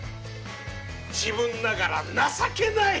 自分ながら情けない！